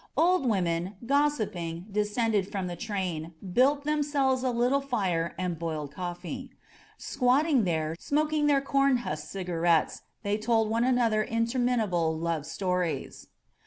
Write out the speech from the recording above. Old women, gossiping, descended from the train, built themselves a little fire and boiled coiFee. Squatting there, smoking their corn husk cigarettes, they told one another interminable love stories.